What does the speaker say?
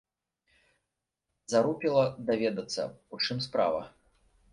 Зарупіла даведацца, у чым справа.